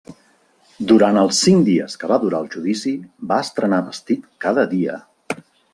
Durant els cinc dies que va durar el judici, va estrenar vestit cada dia.